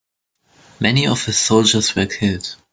Many of his soldiers were killed.